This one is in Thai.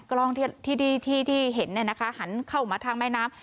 กล้องที่เห็นหันเข้ามาทางแม่น้ำ